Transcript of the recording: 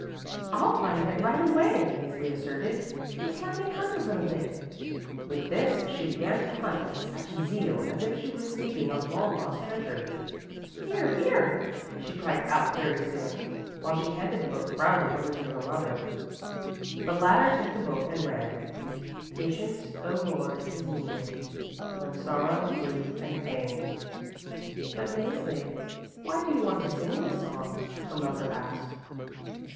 "I'll find it right away," Mäzli asserted. "Just let me hunt a little bit." With this she began to hunt with such zeal as if she were seeking a long lost treasure. "Here, here," she cried out very soon, while she handed the book proudly over to her mother. The latter took the book and read: "Patience Oh Lord, is needed, When sorrow, grief and pain" "But, Mäzli, why do you want to sing this song?" her mother asked.